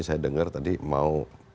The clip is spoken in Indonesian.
saya dengar tadi mau